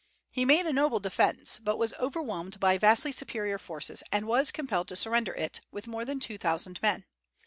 He made a noble defence, but was overwhelmed by vastly superior forces and was compelled to surrender it, with more than two thousand men.